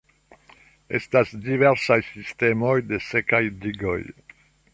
Estas diversaj sistemoj de sekaj digoj.